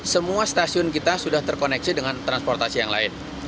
semua stasiun kita sudah terkoneksi dengan transportasi yang lain